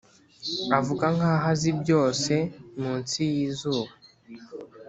avuga nkaho azi byose munsi yizuba.